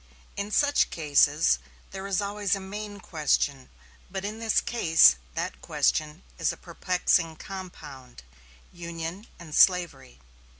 In such cases there always is a main question; but in this case that question is a perplexing compound Union and slavery.